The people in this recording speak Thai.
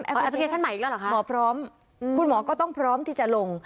พลิเคชันใหม่อีกแล้วเหรอคะหมอพร้อมคุณหมอก็ต้องพร้อมที่จะลง